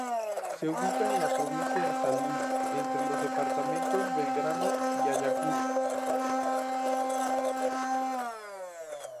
Se ubica en a provincia de San Luis entre los departamentos Belgrano y Ayacucho.